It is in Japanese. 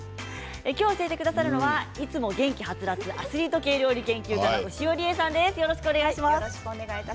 今日、教えてくださるのはいつも元気はつらつアスリート系料理研究家の牛尾理恵さんです。